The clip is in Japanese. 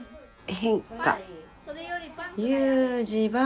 変化。